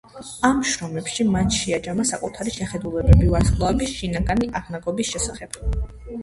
ამ შრომებში მან შეაჯამა საკუთარი შეხედულებები ვარსკვლავების შინაგანი აღნაგობის შესახებ.